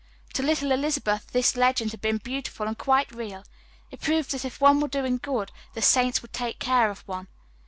To little Elizabeth this legend had been beautiful and quite real it proved that if one were doing good, the saints would take care of one.